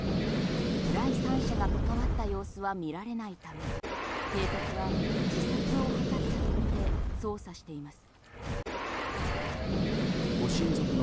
第三者が関わった様子は見られないため警察は自殺を図ったとみて捜査しています。